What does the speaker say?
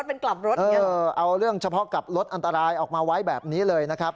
เออเอาเรื่องเฉพาะกลับรถอันตรายออกมาไว้แบบนี้เลยนะครับ